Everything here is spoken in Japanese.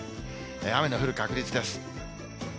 雨の降る確率です。